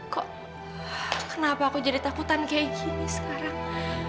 kok kenapa aku jadi takutan kayak gini sekarang